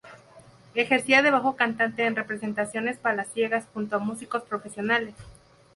Ejercía de bajo cantante en representaciones palaciegas junto a músicos profesionales.